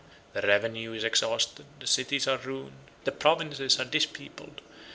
The revenue is exhausted; the cities are ruined; the provinces are dispeopled.